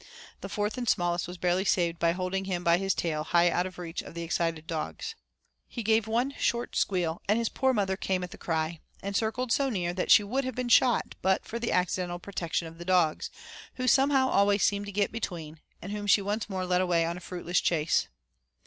The fourth and smallest was barely saved by holding him by his tail high out of reach of the excited dogs. He gave one short squeal, and his poor mother came at the cry, and circled so near that she would have been shot but for the accidental protection of the dogs, who somehow always seemed to get between, and whom she once more led away on a fruitless chase.